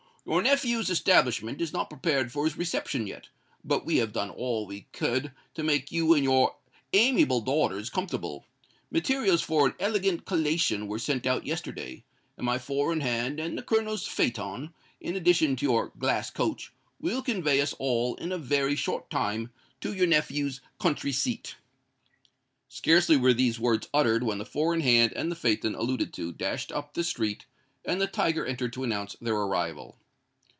"Your nephew's establishment is not prepared for his reception yet; but we have done all we could to make you and your amiable daughters comfortable. Materials for an elegant collation were sent out yesterday; and my four in hand and the Colonel's phaeton, in addition to your glass coach, will convey us all in a very short time to your nephew's country seat." Scarcely were these words uttered when the four in hand and the phaeton alluded to, dashed up the street; and the tiger entered to announce their arrival.